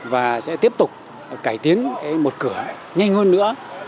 và sẽ tiếp tục cải tiến một cửa nhanh hơn nữa